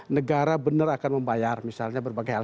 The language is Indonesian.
negara benar akan membayar misalnya berbagai hal